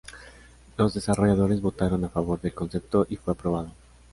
Los desarrolladores votaron a favor del concepto, y fue aprobado.